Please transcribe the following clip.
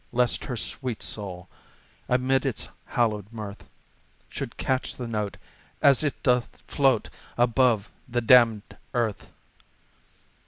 lest her soul, amid its hallowed mirth, Should catch the note as it doth float up from the damned Earth!